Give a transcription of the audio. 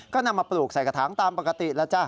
ก็นำมาปลูกใส่กระถางตามปกติแล้วจ้ะ